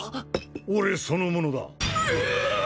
俺そのものだええ！